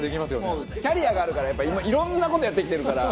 キャリアがあるからやっぱいろんな事やってきてるから。